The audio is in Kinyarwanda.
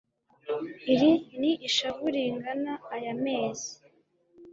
iri ni ishavu ringana aya mazi